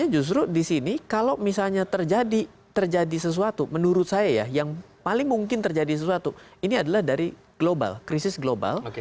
justru di sini kalau misalnya terjadi sesuatu menurut saya ya yang paling mungkin terjadi sesuatu ini adalah dari global krisis global